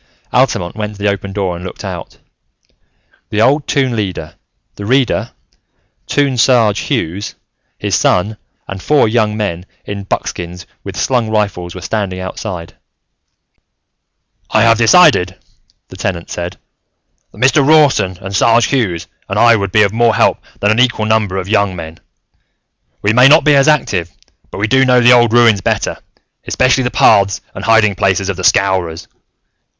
Altamont went to the open door and looked out. The old Toon Leader, the Reader, Toon Sarge Hughes, his son and four young men in buckskins with slung rifles were standing outside. "I have decided," the Tenant said, "that Mr. Rawson and Sarge Hughes and I would be of more help than an equal number of young men. We may not be as active, but we do know the old ruins better, especially the paths and hiding places of the Scowrers.